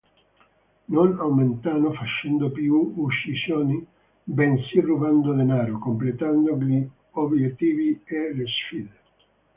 Non aumentano facendo più uccisioni, bensì rubando denaro, completando gli obiettivi e le sfide.